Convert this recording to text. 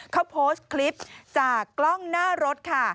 เขาโพสต์คลิปจากกล้องหน้ารถค่ะ